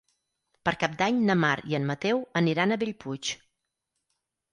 Per Cap d'Any na Mar i en Mateu aniran a Bellpuig.